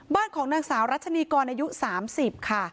ของนางสาวรัชนีกรอายุ๓๐ค่ะ